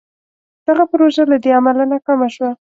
دغه پروژه له دې امله ناکامه شوه.